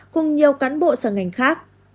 cùng nhiều cán bộ sở ngành khác